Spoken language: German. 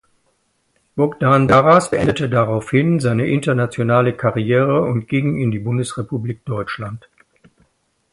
Bogdan Daras beendete daraufhin seine internationale Karriere und ging in die Bundesrepublik Deutschland.